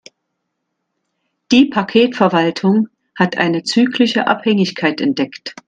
Die Paketverwaltung hat eine zyklische Abhängigkeit entdeckt.